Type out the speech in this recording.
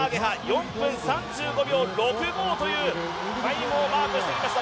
４分３５秒６５というタイムをマークしてきました。